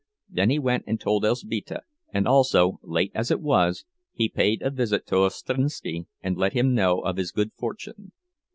Then he went and told Elzbieta, and also, late as it was, he paid a visit to Ostrinski to let him know of his good fortune.